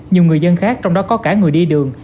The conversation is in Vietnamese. nhiều người dân khác trong đó có cả người đi đường